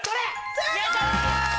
正解！